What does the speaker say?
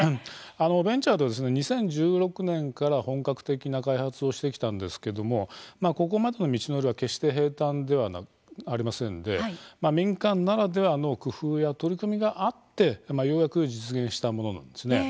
ベンチャーでは２０１６年から本格的な開発をしてきたんですけどもここまでの道のりは決して平たんではありませんで民間ならではの工夫や取り組みがあってようやく実現したものなんですね。